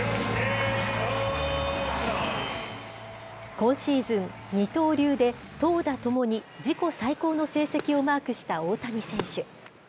今シーズン、二刀流で投打ともに自己最高の成績をマークした大谷選手。